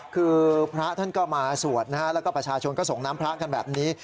คือพระเขาเข้ามาสวดและประชาชนก็ส่งน้ำพระกันแบบนี้